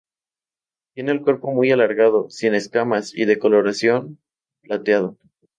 Tiene el cuerpo muy alargado, sin escamas y de coloración plateada.